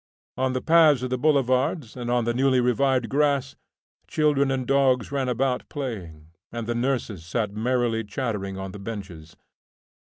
On the paths of the boulevards and on the newly revived grass, children and dogs ran about, playing, and the nurses sat merrily chattering on the benches.